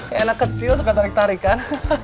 enak kecil suka tarik tarikan